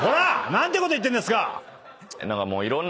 何てこと言ってんですか！